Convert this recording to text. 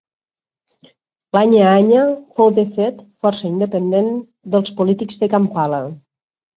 L'Anya-Anya fou de fet força independent dels polítics de Kampala.